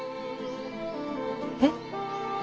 えっ？